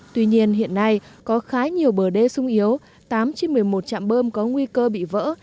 tuy nhiên hiện nay có khá nhiều bờ đê sung yếu tám trên một mươi một trạm bơm có nguy cơ bị vỡ